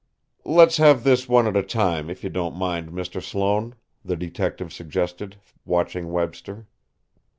"Let's have this, one at a time, if you don't mind, Mr. Sloane," the detective suggested, watching Webster.